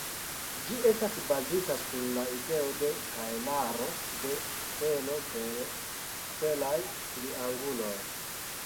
Ĝi estas bazita sur la ideo de kahelaro de sfero per sferaj trianguloj.